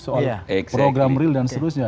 soal program real dan seterusnya